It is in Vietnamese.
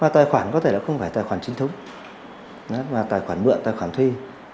tài khoản có thể là không phải tài khoản chính thống và tài khoản mượn tài khoản thuê